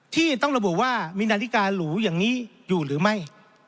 ที่ต้องระบุว่ามีนาฬิกาหรูอย่างนี้อยู่หรือไม่